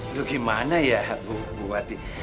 itu gimana ya bu bupati